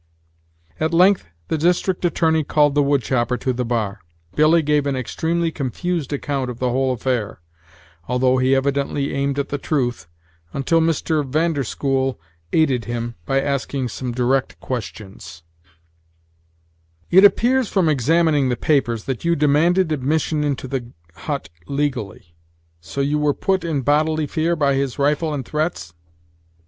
At length the District Attorney called the wood chopper to the bar, Billy gave an extremely confused account of the whole affair, although he evidently aimed at the truth, until Mr. Van der School aided him, by asking some direct questions: "It appears from examining the papers, that you demanded admission into the hut legally; so you were put in bodily fear by his rifle and threats?"